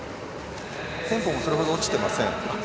テンポもそれほど落ちていません。